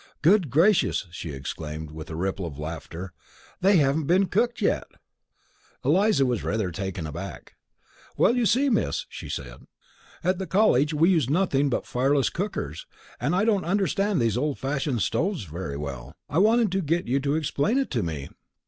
"Good gracious," she exclaimed, with a ripple of laughter. "They haven't been cooked yet!" Eliza was rather taken aback. "Well, you see, Miss," she said, "at the college we used nothing but fireless cookers, and I don't understand these old fashioned stoves very well. I wanted to get you to explain it to me."